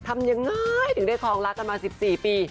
ทำยังไงถึงได้คลองรักกันมา๑๔ปี